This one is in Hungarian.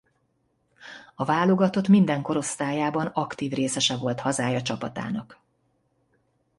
A válogatott minden korosztályában aktív részese volt hazája csapatának.